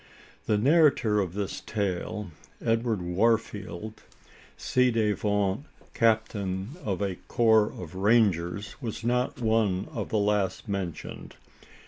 The narrator of this tale, Edward Warfield ci devant captain of a corps of "rangers" was not one of the last mentioned.